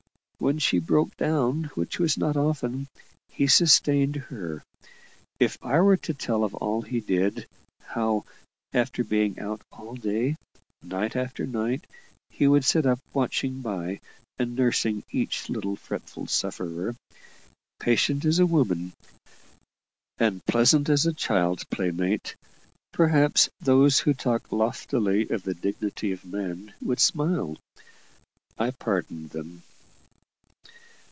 When she broke down, which was not often, he sustained her. If I were to tell of all he did how, after being out all day, night after night he would sit up watching by and nursing each little fretful sufferer, patient as a woman, and pleasant as a child play mate perhaps those who talk loftily of "the dignity of man" would smile. I pardon them.